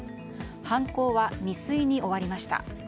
犯行は未遂に終わりました。